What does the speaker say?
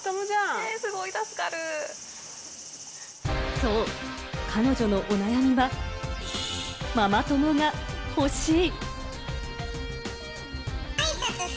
そう、彼女のお悩みは、ママ友が欲しい。